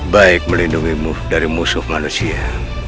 baik melindungimu dari musuh manusia